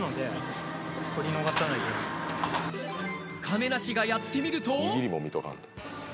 亀梨がやってみると。